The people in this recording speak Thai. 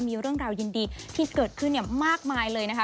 มีเรื่องราวยินดีที่เกิดขึ้นมากมายเลยนะคะ